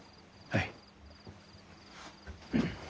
はい。